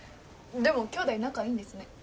でも兄弟仲いいんですね。